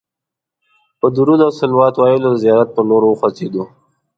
په درود او صلوات ویلو د زیارت پر لور وخوځېدو.